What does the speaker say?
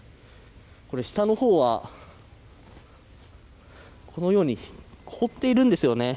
下の方はこのように凍っているんですよね。